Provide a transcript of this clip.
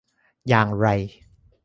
อย่างไร ?